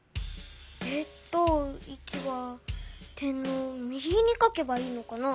えっと１は点の右に書けばいいのかな？